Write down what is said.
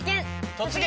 「突撃！